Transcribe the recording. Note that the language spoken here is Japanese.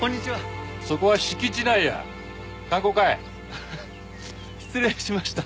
あっ失礼しました。